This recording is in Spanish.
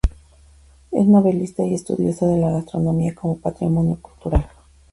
Es novelista y estudioso de la gastronomía como patrimonio cultural.